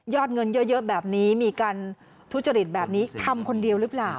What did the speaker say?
เงินเยอะแบบนี้มีการทุจริตแบบนี้ทำคนเดียวหรือเปล่า